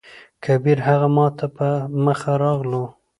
کبير: هغه ماته په مخه راغلو.